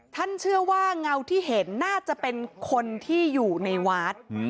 ท่านเชื่อว่าเงาที่เห็นน่าจะเป็นคนที่อยู่ในวัด